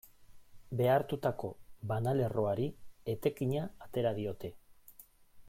Behartutako banalerroari etekina atera diote.